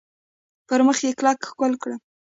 پر مخ یې کلک ښکل کړم .